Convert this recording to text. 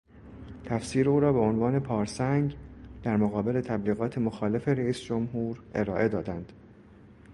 تفسیر او را به عنوان پارسنگ در مقابل تبلیغات مخالف رئیس جمهور ارائه دادند.